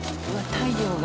太陽が。